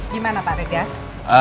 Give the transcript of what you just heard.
gimana pak regar